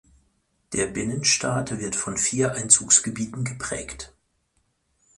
Der Binnenstaat wird von vier Einzugsgebieten geprägt.